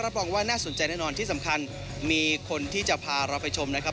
รองว่าน่าสนใจแน่นอนที่สำคัญมีคนที่จะพาเราไปชมนะครับ